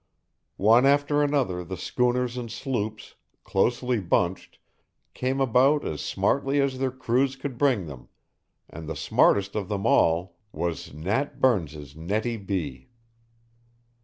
One after another the schooners and sloops, closely bunched, came about as smartly as their crews could bring them and the smartest of them all was Nat Burns's _Nettie B.